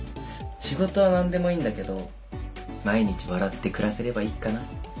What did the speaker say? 仕事は何でもいいんだけど毎日笑って暮らせればいいかな。